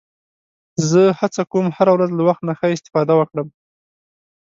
زه هڅه کوم هره ورځ له وخت نه ښه استفاده وکړم